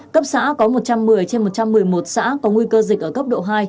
cấp xã có một trăm một mươi trên một trăm một mươi một xã có nguy cơ dịch ở cấp độ hai